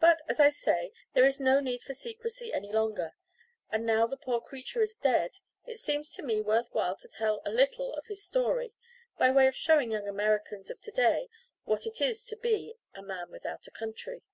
But, as I say, there is no need for secrecy any longer. And now the poor creature is dead, it seems to me worth while to tell a little of his story, by way of showing young Americans of to day what it is to be A MAN WITHOUT A COUNTRY.